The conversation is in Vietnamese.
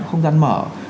không gian mở